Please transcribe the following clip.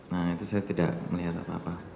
nah itu saya tidak melihat apa apa